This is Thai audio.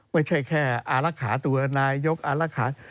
ไม่ใช่แค่อารักษาตัวนายกอารักษา